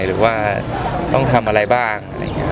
หรือว่าต้องทำอะไรบ้าง